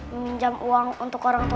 meminjam uang untuk orang tua